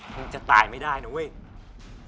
มึงจะตายไม่ได้น้วย